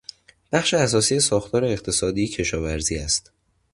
بخش اساسی ساختار اقتصادی کشاورزی است.